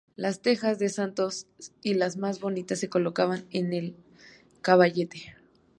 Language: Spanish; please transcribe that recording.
Las tejas de santos y las más bonitas se colocaban en el caballete.